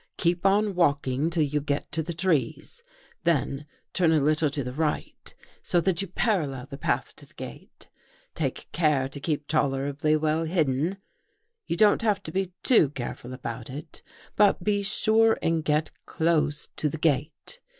Keep on walking till you get to the trees, then turn a little to the right, so that you parallel the path to the gate. Take care to keep tolerably well hidden. You don't have to be too careful about it. But be sure and get close to the gate.